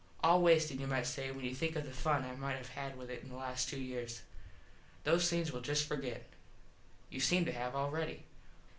All wasted you might say, when you think of the fun I might have had with it in the last two years. Those things we'll just forget. You seem to have already.